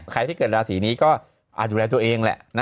ใครที่เกิดราศีนี้ก็อาจดูแลตัวเองแหละ